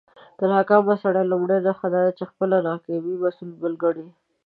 د ناکامه سړى لومړۍ نښه دا ده، چې د خپلى ناکامۍ مسول بل کڼې.